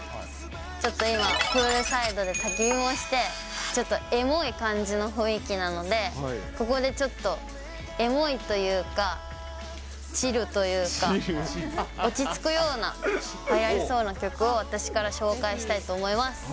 ちょっと今、プールサイドでたき火もして、ちょっとエモい感じの雰囲気なので、ここでちょっと、エモいというか、チルというか、落ち着くようなはやりそうな曲を、私から紹介したいと思います。